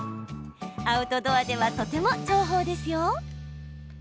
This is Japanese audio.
アウトドアではとても重宝ですよ。